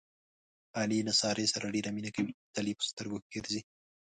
علي له سارې سره ډېره مینه کوي، تل یې په سترګو کې ګرځوي.